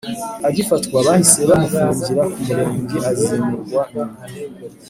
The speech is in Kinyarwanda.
Agifatwa bahise bamufungira ku murenge azimurwa nyuma